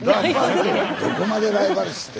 どこまでライバル視してんの。